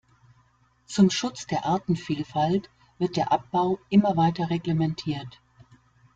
Zum Schutz der Artenvielfalt wird der Abbau immer weiter reglementiert.